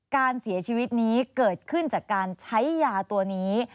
การเสียชีวิตนี้เกิดขึ้นจากการใช้ยาตัวนี้